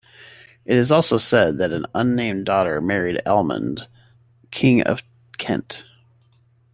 It is also said that an unnamed daughter married Ealhmund, King of Kent.